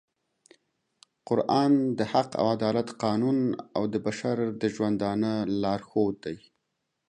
قرآن د حق او عدالت قانون او د بشر د ژوندانه لارښود دی